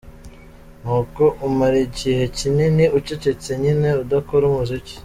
Ni uko umara igihe kinini ucecetse nyine udakora umuziki.